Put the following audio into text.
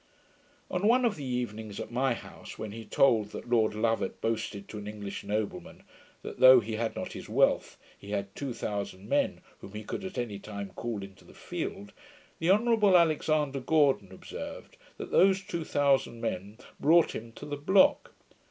On one of the evenings at my house, when he told that Lord Lovat boasted to an English nobleman, that though he had not his wealth, he had two thousand men whom he could at any time call into the field, the Honourable Alexander Gordon observed, that those two thousand men brought him to the block.